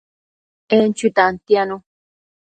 En chui tantianu